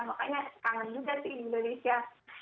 makanya kangen juga sih di indonesia